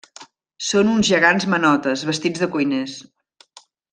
Són uns gegants manotes, vestits de cuiners.